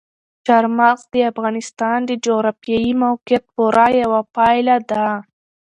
چار مغز د افغانستان د جغرافیایي موقیعت پوره یوه پایله ده.